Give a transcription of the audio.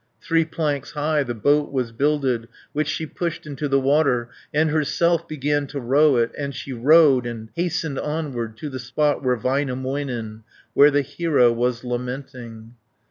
Three planks high, the boat was builded, Which she pushed into the water, 180 And herself began to row it, And she rowed, and hastened onward To the spot where Väinämöinen, Where the hero was lamenting.